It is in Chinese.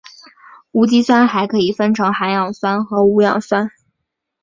无机酸还可以分成含氧酸和无氧酸。